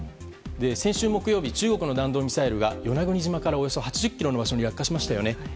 先週木曜日中国の弾道ミサイルが与那国島からおよそ８０ｋｍの場所に落下しましたよね。